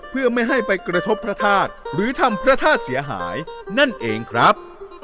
เพื่อไม่ให้ไปกระทบพระธาตุหรือทำพระธาตุเสียหายนั่นเองครับ